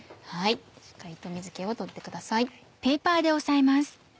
しっかりと水気を取ってください。